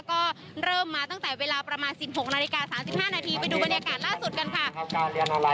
ก็เริ่มมาตั้งแต่เวลาประมาณสิบหกนาฬิกาสามสิบห้านาทีไปดูบรรยากาศล่าสุดกันค่ะครับ